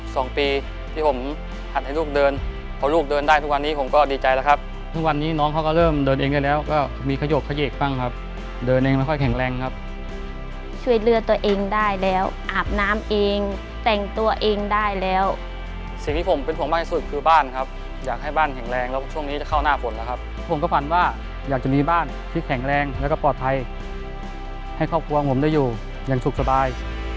สิ่งที่ผมเป็นห่วงมากที่สุดคือบ้านครับอยากให้บ้านแข็งแรงแล้วช่วงนี้จะเข้าหน้าฝนแล้วครับผมก็ฝันว่าอยากจะมีบ้านที่แข็งแรงแล้วก็ปลอดภัยให้ครอบครัวผมได้อยู่อย่างสุขสบาย